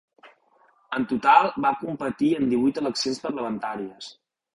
En total, va competir en divuit eleccions parlamentàries.